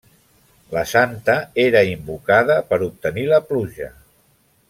La santa era invocada per obtenir la pluja.